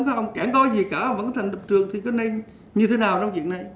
không cản coi gì cả vẫn có thành lập trường thì có nên như thế nào trong chuyện này